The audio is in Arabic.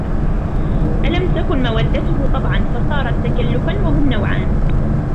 أَلَمْ تَكُنْ مَوَدَّتُهُ طَبْعًا فَصَارَتْ تَكَلُّفَا وَهُمْ نَوْعَانِ